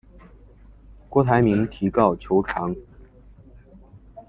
郭台铭提告求偿。